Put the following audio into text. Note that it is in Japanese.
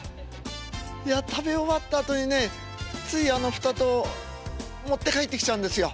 いや食べ終わったあとにねついあの蓋と持って帰ってきちゃうんですよ。